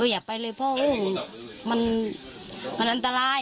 อย่าไปเลยพ่อมันอันตราย